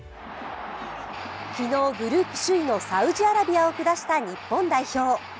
昨日、グループ首位のサウジアラビアを下した日本代表。